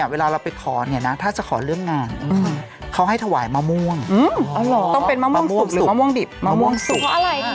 เพราะอะไรทำไมต้องเป็นมะม่วงสุก